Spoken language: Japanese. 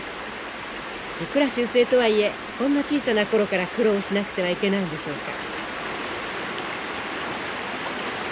いくら習性とはいえこんな小さな頃から苦労しなくてはいけないんでしょうか。